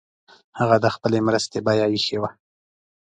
هغه د خپلي مرستي بیه ایښې وه.